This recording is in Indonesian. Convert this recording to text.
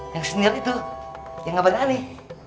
yang sendiri tuh yang gak pada aneh